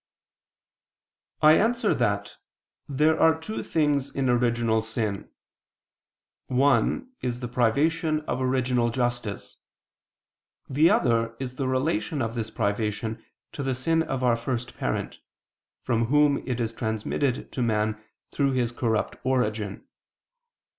I answer that, There are two things in original sin: one is the privation of original justice; the other is the relation of this privation to the sin of our first parent, from whom it is transmitted to man through his corrupt origin.